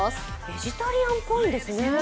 ベジタリアンっぽいですね。